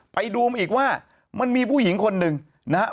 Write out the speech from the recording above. ไปดูมาอีกว่ามันมีผู้หญิงคนหนึ่งนะฮะ